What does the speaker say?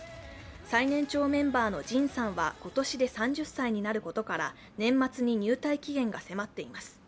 最年長メンバーのＪＩＮさんは今年で３０歳になることから、年末に入隊期限が迫っています。